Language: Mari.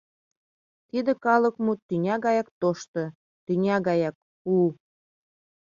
Тиде калыкмут тӱня гаяк тошто, тӱня гаяк у.